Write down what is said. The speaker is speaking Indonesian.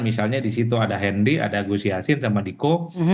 misalnya di situ ada hendi ada gus yasin ada diko